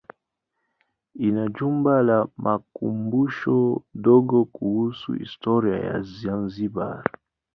Ina jumba la makumbusho dogo kuhusu historia ya Zanzibar.